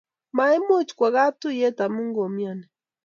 maimuch kwo kaptuyet amu koimiani